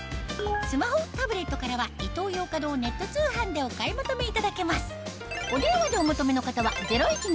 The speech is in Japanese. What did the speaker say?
スマホタブレットからはイトーヨーカドーネット通販でお買い求めいただけます